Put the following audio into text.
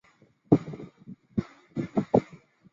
恩波利于九月尾底胜出欧洲大赛。